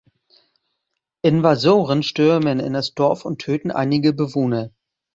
Invasoren stürmen in das Dorf und töten einige Bewohner.